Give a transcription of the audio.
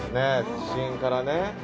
地震からね